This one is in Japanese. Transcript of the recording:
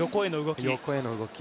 横への動き。